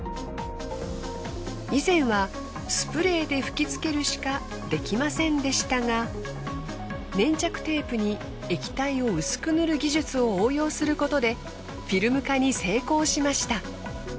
以前はスプレーで吹き付けるしかできませんでしたが粘着テープに液体を薄く塗る技術を応用することでフィルム化に成功しました。